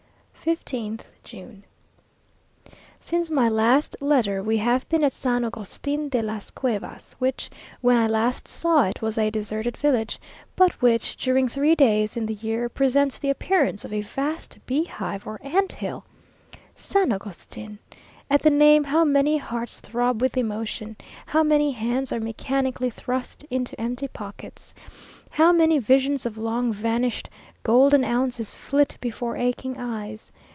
15th June. Since my last letter we have been at San Agustin de las Cuevas, which, when I last saw it, was a deserted village, but which during three days in the year presents the appearance of a vast bee hive or ant hill. San Agustin! At the name how many hearts throb with emotion! How many hands are mechanically thrust into empty pockets! How many visions of long vanished golden ounces flit before aching eyes!